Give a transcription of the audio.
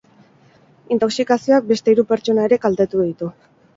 Intoxikazioak beste hiru pertsona ere kaltetu ditu.